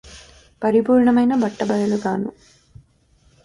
పరిపూర్ణమై బట్టబయలుగాను